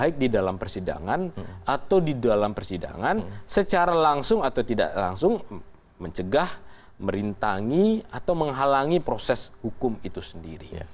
baik di dalam persidangan atau di dalam persidangan secara langsung atau tidak langsung mencegah merintangi atau menghalangi proses hukum itu sendiri